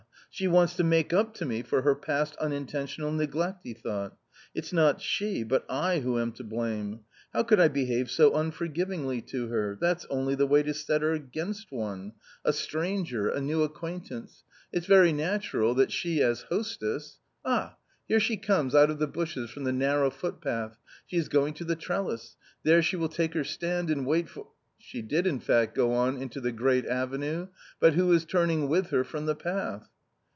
she wants to make up to me for her past uninten tional neglect," he thought ;" it's not she, but I who am to blame ; how could I behave so unforgivingly to her ? that's only the way to set her against one; a stranger, a new A COMMON STORY 107 acquaintance ; it's very natural that she as hostess " J^Ah. ! here she comes out of the bushes from the narrow footpath, she is going to the trellis, there she will take her stand and wait for. ..." She did in fact go on into the great avenue .... but who is turning with her from the path